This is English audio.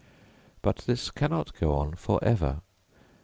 But this cannot go on for ever.